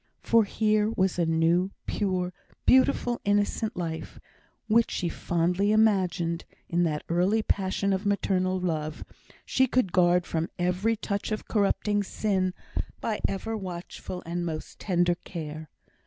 For here was a new, pure, beautiful, innocent life, which she fondly imagined, in that early passion of maternal love, she could guard from every touch of corrupting sin by ever watchful and most tender care.